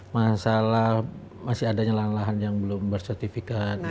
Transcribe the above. masalah masih ada yang belum bersertifikat